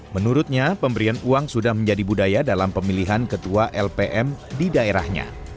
menurutnya pemberian uang sudah menjadi budaya dalam pemilihan ketua lpm di daerahnya